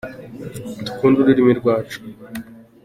Dukunde ururimi rwacu.